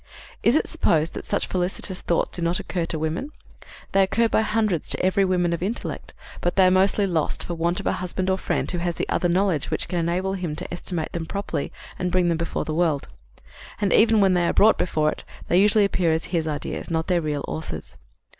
Is it supposed that such felicitous thoughts do not occur to women? They occur by hundreds to every woman of intellect; but they are mostly lost for want of a husband or friend who has the other knowledge which can enable him to estimate them properly and bring them before the world; and, even when they are brought before it, they usually appear as his ideas, not their real author's.